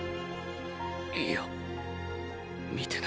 いいや見てない。